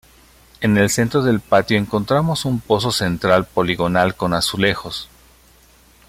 En el centro del patio encontramos un pozo central poligonal con azulejos.